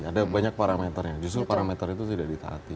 ada banyak parameternya justru parameter itu tidak ditaati